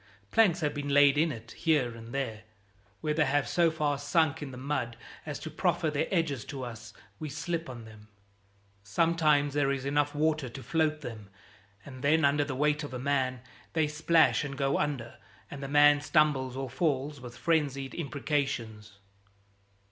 Planks have been laid in it here and there. Where they have so far sunk in the mud as to proffer their edges to us we slip on them. Sometimes there is enough water to float them, and then under the weight of a man they splash and go under, and the man stumbles or falls, with frenzied imprecations.